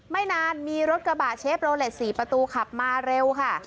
ไม่นานมีรถกระบะเชฟโลเลส๔ประตูขับมาเร็วค่ะ